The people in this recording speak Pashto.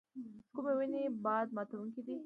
کومې ونې باد ماتوونکي دي؟